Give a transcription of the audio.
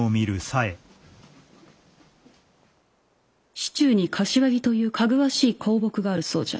市中に「柏木」というかぐわしい香木があるそうじゃ。